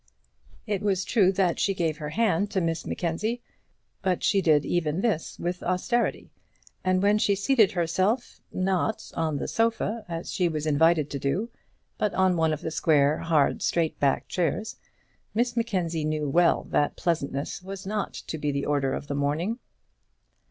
It was true that she gave her hand to Miss Mackenzie, but she did even this with austerity; and when she seated herself, not on the sofa as she was invited to do, but on one of the square, hard, straight backed chairs, Miss Mackenzie knew well that pleasantness was not to be the order of the morning.